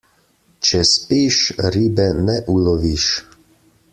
Če spiš, ribe ne uloviš.